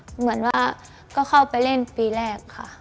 เหมือนว่าก็เข้าไปเล่นปีแรกค่ะ